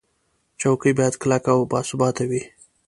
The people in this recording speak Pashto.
چوکۍ باید کلکه او باثباته وي.